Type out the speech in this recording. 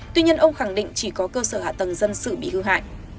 tuy nhiên ông khẳng định chỉ có cơ sở hạ tầng dân sự bị hư hại